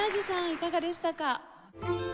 いかがでしたか？